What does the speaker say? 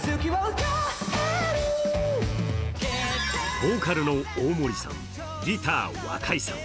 ボーカルの大森さんギター若井さん